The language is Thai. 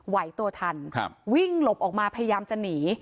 ไหวตัวทันวิ่งหลบออกมาพยายามจะหนี